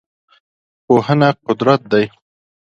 پوهنه قدرت دی.